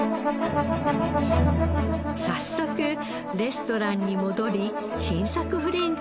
早速レストランに戻り新作フレンチに挑みます。